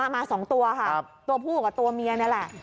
มา๒ตัวค่ะตัวผู้กับตัวเมียนี่แหละ